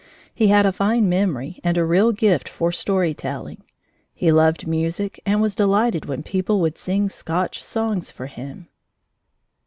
He had a fine memory and a real gift for story telling. He loved music and was delighted when people would sing Scotch songs for him.